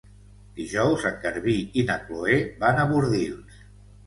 Dijous en Garbí i na Chloé van a Bordils.